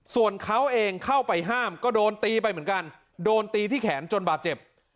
ส่วนเขาเองเข้าไปห้ามก็โดนตีไปเหมือนกันโดนตีที่แขนจนบาดเจ็บ